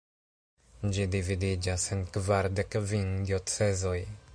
Ĝi dividiĝas en kvardek kvin diocezoj.